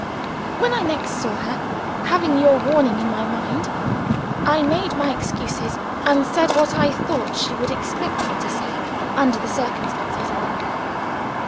When I next saw her, having your warning in my mind, I made my excuses, and said what I thought she would expect me to say, under the circumstances.